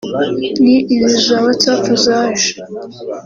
ni izi za whatsapp zaje